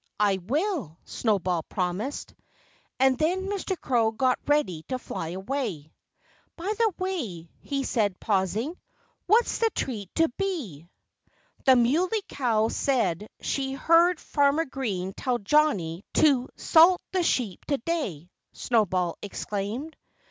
"I will," Snowball promised. And then Mr. Crow got ready to fly away. "By the way," he said, pausing, "what's the treat to be?" "The Muley Cow said she heard Farmer Green tell Johnnie to 'salt the sheep to day,'" Snowball explained.